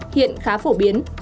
hiện khá phổ biến